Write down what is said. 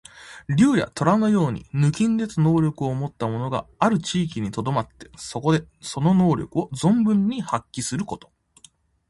竜や、とらのように抜きんでた能力をもった者がある地域にとどまって、そこでその能力を存分に発揮すること。